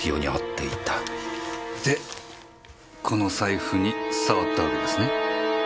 でこの財布に触ったわけですね。